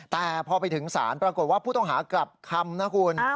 แต่พอไปถึงศาลปรากฏว่าผู้ต้องหากลับคำนะคุณ